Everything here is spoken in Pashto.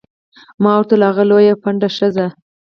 ما ورته وویل: هغه لویه او پنډه ښځه.